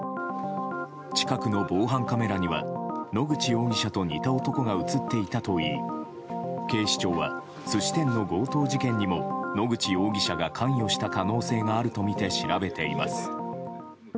近くの防犯カメラには野口容疑者と似た男が映っていたといい警視庁は、寿司店の強盗事件にも野口容疑者が関与した可能性があるとみて調べています。